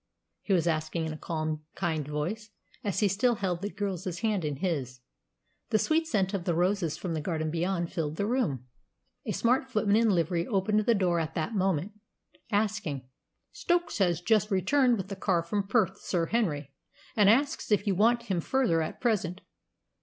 he was asking in a calm, kind voice, as he still held the girl's hand in his. The sweet scent of the roses from the garden beyond filled the room. A smart footman in livery opened the door at that moment, asking, "Stokes has just returned with the car from Perth, Sir Henry, and asks if you want him further at present."